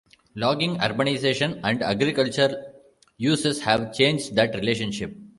Logging, urbanization, and agriculture uses have changed that relationship.